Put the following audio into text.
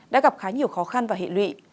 đã gặp khá nhiều khó khăn và hệ lụy